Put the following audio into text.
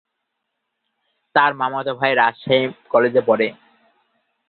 তার মামাতো ভাই রাজশাহী কলেজে পড়ে।